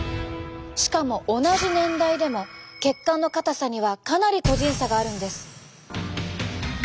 しかも同じ年代でも血管の硬さにはかなり個人差があるんです。